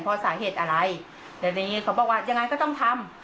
เพราะสาเหตุอะไรเดี๋ยวนี้เขาบอกว่ายังไงก็ต้องทำ